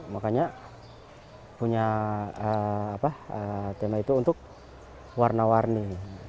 makanya punya tema itu untuk warna warni